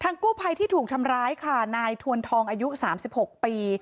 กู้ภัยที่ถูกทำร้ายค่ะนายทวนทองอายุ๓๖ปี